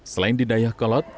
selain di dayakolot